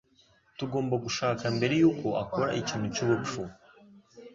Tugomba gushaka mbere yuko akora ikintu cyubupfu.